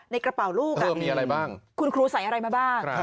ในกระเป๋าลูกคุณครูใส่อะไรมาบ้าง